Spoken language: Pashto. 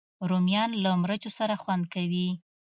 رومیان له مرچو سره خوند کوي